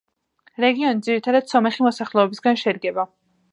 რეგიონი ძირითადად სომეხი მოსახლეობისგან შედგება.